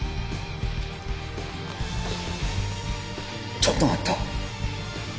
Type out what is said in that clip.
ちょっと待った！